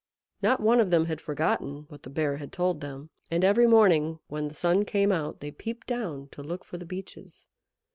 Not one of them had forgotten what the Bear had told them, and every morning when the sun came out they peeped down to look for the Beeches.